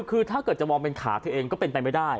คือถ้าเกิดจะมองเป็นขาเธอเองก็เป็นไปไม่ได้